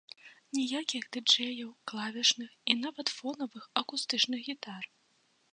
Ніякіх ды-джэяў, клавішных і нават фонавых акустычных гітар.